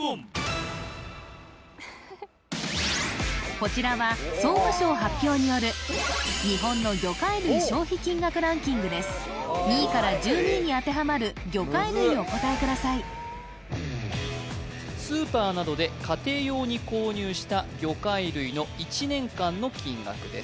こちらは総務省発表による日本の２位から１２位に当てはまる魚介類をお答えくださいスーパーなどで家庭用に購入した魚介類の１年間の金額です